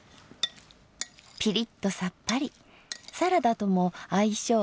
ピリッとさっぱりサラダとも相性よし！